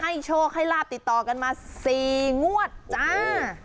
โชคให้ลาบติดต่อกันมา๔งวดจ้า